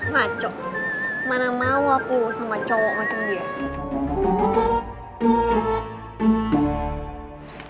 macok mana mau aku sama cowok macam dia